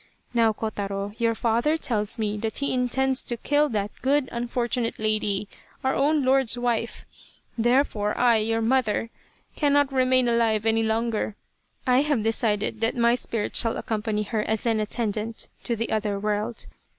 Now, Kotaro, your father tells me that he intends to kill that good unfortunate lady, our own lord's wife therefore, I, your mother, cannot remain alive any longer I have decided that my spirit shall accompany her as an attendant to the other world.